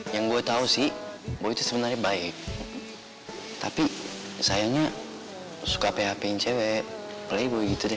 yang gue tau sih boy itu sebenarnya baik tapi sayangnya suka phpin cewek play boy gitu deh